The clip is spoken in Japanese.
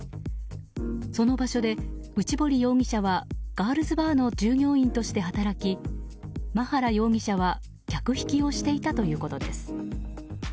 その場所で内堀容疑者はガールズバーの従業員として働き馬原容疑者は客引きをしていたということです。